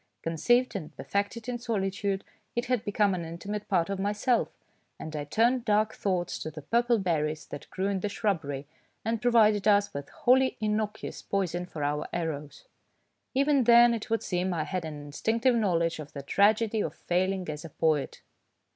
Conceived and per fected in solitude, it had become an inti mate part of myself, and I turned dark thoughts to the purple berries that grew in the shrubbery, and provided us with wholly innocuous poison for our arrows. Even then, it would seem, I had an instinctive knowledge of the tragedy of failing as a poet.